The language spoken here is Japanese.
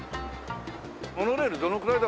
モノレールどのぐらいだろう。